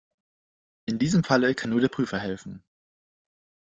In diesem Falle kann nur der Prüfer helfen.